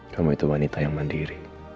kamu itu wanita yang mandiri